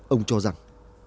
ông cho rằng